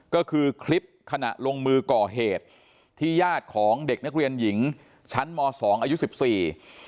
ก็คือคลิปขณะลงมือก่อเหตุที่ญาติของเด็กนักเรียนหญิงชั้นมสองอายุสิบสี่